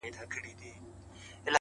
علم د انسان ځواک زیاتوي